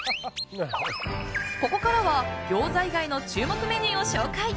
ここからは餃子以外の注目メニューを紹介。